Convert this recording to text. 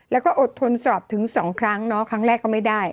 แล้วก็อดทนสอบถึง๒ครั้งเนาะครั้งแรกก็ไม่ได้